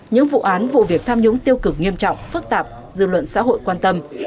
những vụ án vụ việc tham nhũng tiêu cực nghiêm trọng phức tạp dư luận xã hội quan tâm